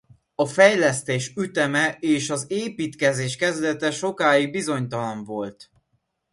A fejlesztés üteme és az építkezés kezdete sokáig bizonytalan volt.